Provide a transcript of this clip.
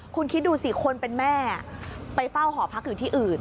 คุณคิดดูสิคนเป็นแม่ไปเฝ้าหอพักอยู่ที่อื่น